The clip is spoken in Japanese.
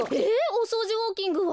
おそうじウォーキングは？